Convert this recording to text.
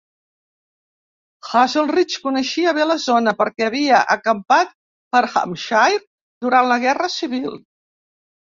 Haselrig coneixia bé la zona, perquè havia acampat per Hampshire durant la guerra civil.